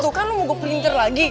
tuh kan lu mau gue printer lagi